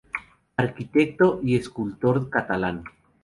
Arquitecto y escultor catalán.